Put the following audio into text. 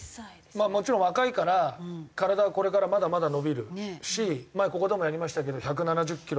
まあもちろん若いから体はこれからまだまだ伸びるし前ここでもやりましたけど１７０キロ